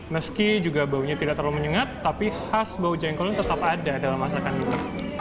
meski juga baunya tidak terlalu menyengat tapi khas bau jengkolnya tetap ada dalam masakan dulu